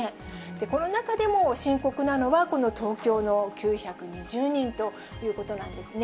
この中でも深刻なのは、この東京の９２０人ということなんですね。